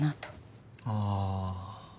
ああ。